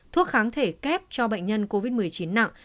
thuốc kháng thể kép cho bệnh nhân covid một mươi chín nặng